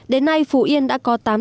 đến nay phú yên đã có tàu vỏ thép